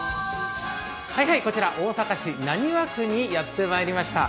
こちら大阪市浪速区にやってまいりました。